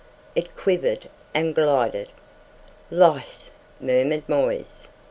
It quivered and glided.... "Lice," murmured Moisse.